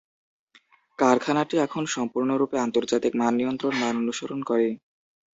কারখানাটি এখন সম্পূর্ণরূপে আন্তর্জাতিক মান নিয়ন্ত্রণ মান অনুসরণ করে।